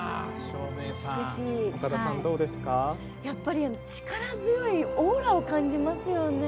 やっぱり、力強いオーラを感じますよね。